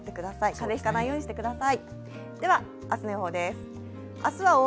風邪ひかないようにしてください。